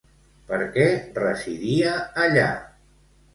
Per què residia allà?